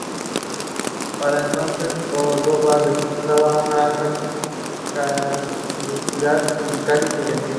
Para entonces Córdoba registraba una alta conflictividad sindical y estudiantil.